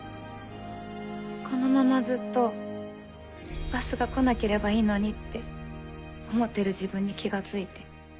このままずっとバスが来なければいいのにって思ってる自分に気が付いて。